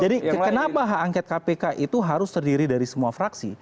jadi kenapa hak angket kpk itu harus terdiri dari semua fraksi